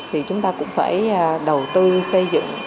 thì chúng ta cũng phải đầu tư xây dựng